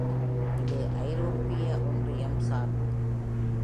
அது ஐரோப்பிய ஒன்றியம் சார்பு.